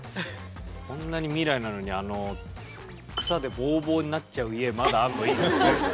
こんなに未来なのに草でボウボウになっちゃう家まだあるのいいですね。